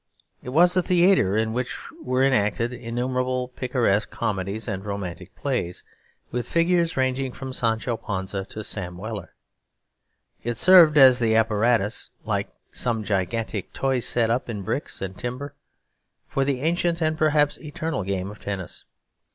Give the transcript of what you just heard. It was the theatre in which were enacted innumerable picaresque comedies and romantic plays, with figures ranging from Sancho Panza to Sam Weller. It served as the apparatus, like some gigantic toy set up in bricks and timber, for the ancient and perhaps eternal game of tennis.